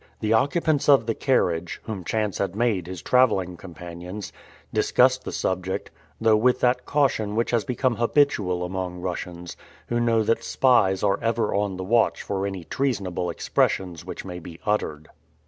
The occupants of the carriage, whom chance had made his traveling companions, discussed the subject, though with that caution which has become habitual among Russians, who know that spies are ever on the watch for any treasonable expressions which may be uttered.